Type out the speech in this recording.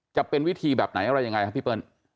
จะเป็นวิธีแบบไหนอะไรยังไงครับพี่เปิ้ล